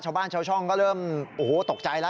ชาวบ้านชาวช่องก็เริ่มโอ้โหตกใจแล้ว